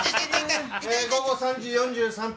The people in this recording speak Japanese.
午後３時４３分